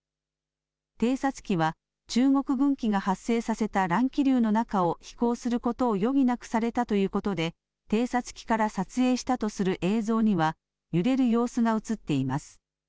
偵察機は中国軍機が発生させた乱気流の中を飛行することを余儀なくされたということで、偵察機から撮影したとする映像には、揺れる様子が写っています。